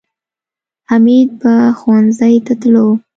حمید به ښوونځي ته تلو